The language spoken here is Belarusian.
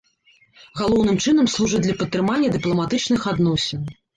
Галоўным чынам, служыць для падтрымання дыпламатычных адносін.